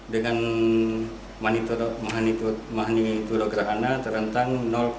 dengan manitura gerhana terhentang